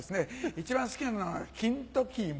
一番好きなのは金時芋。